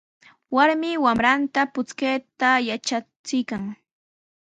Warmi wamranta puchkayta yatrachiykan.